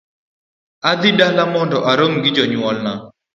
Adhi dala mondo arom gi jonyuolna